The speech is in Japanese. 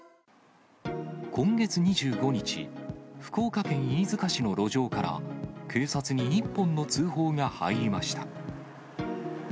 今月２５日、福岡県飯塚市の路上から警察に一本の通報が入りました。